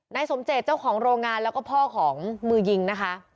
นายสมเจตเจ้าของโรงงานแล้วก็พ่อของมือยิงนะคะ